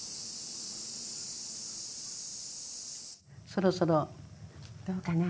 そろそろ。どうかな？